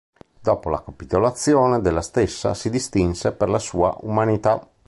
Dopo la capitolazione della stessa si distinse per la sua umanità.